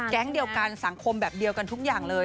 เดียวกันสังคมแบบเดียวกันทุกอย่างเลย